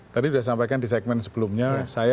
tadi sudah sampaikan di segmen sebelumnya